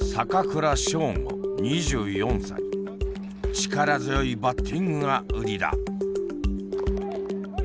力強いバッティングが売りだ。